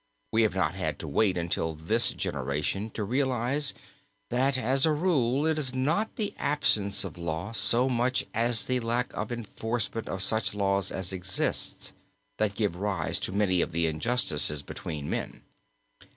We have not had to wait until this generation to realize, that as a rule it is not the absence of law so much as the lack of enforcement of such laws as exist, that gives rise to many of the injustices between men.